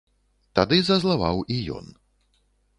Тады зазлаваў і ён.